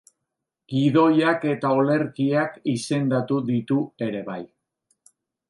Gidoiak eta olerkiak izendatu ditu ere bai.